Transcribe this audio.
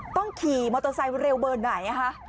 ต้องขี่มอเตอร์ไซด์เร็วเบิ่นไหนนะคะ